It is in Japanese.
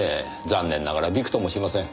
残念ながらびくともしません。